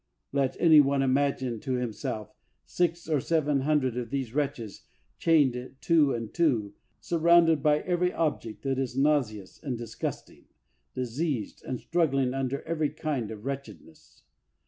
Let any one imagine to himself six or seven hundred of these wretches chained two and two, surrounded with every object that is nauseous and disgusting, diseased, and struggling under every kind of wretchedness!